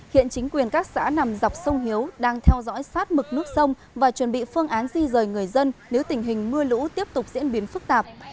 hiện chính quyền các xã nằm dọc sông hiếu đang theo dõi sát mực nước sông và chuẩn bị phương án di rời người dân nếu tình hình mưa lũ tiếp tục diễn biến phức tạp